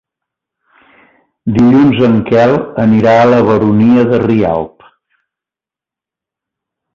Dilluns en Quel anirà a la Baronia de Rialb.